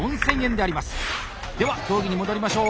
では競技に戻りましょう。